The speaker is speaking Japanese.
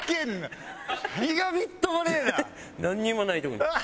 なんにもないとこに。